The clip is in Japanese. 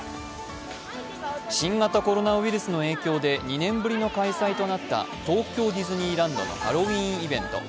新型コロナウイルスの影響で２年ぶりの開催となった東京ディズニーランドのハロウィーンイベント。